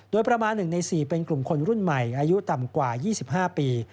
โดยประมาณ๑ใน๔เป็นกลุ่มคนรุ่นใหม่อายุต่ำกว่า๒๕ปี